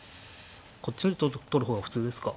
こっちより取る方が普通ですか。